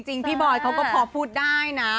พี่บอยเขาก็พอพูดได้นะ